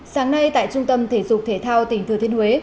sáng nay tại trung tâm thể dục thể thao tỉnh thừa thiên huế